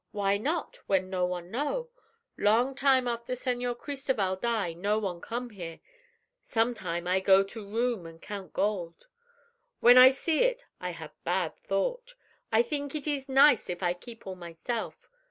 Why not, when no one know? Long time after Señor Cristoval die no one come here. Some time I go to room an' count gold. When I see it I have bad thought. I theenk it ees nice if I keep all myself.